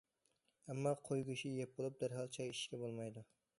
ئەمما قوي گۆشى يەپ بولۇپ، دەرھال چاي ئىچىشكە بولمايدۇ.